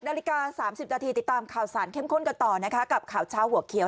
นาฬิกา๓๐นาทีติดตามข่าวสารเข้มข้นกันต่อนะคะกับข่าวเช้าหัวเขียว